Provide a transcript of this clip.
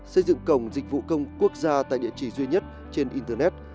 xây dựng cổng dịch vụ công quốc gia tại địa chỉ duy nhất trên internet